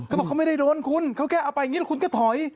เขาบอกเขาไม่ได้โดนคุณเขาแค่เอาไปอย่างนี้แล้วคุณก็ถอย